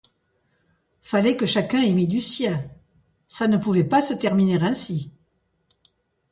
Fallait que chacun y mît du sien, ça ne pouvait pas se terminer ainsi.